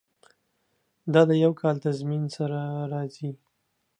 دا د یو کال تضمین سره راځي.